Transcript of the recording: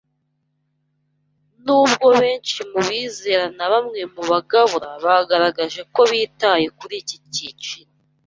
Nubwo benshi mu bizera na bamwe mu bagabura bagaragaje ko bitaye kuri icyi cyiciro